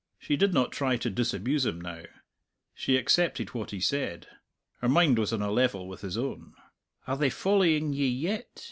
She did not try to disabuse him now; she accepted what he said. Her mind was on a level with his own. "Are they following ye yet?"